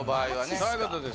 そういうことです。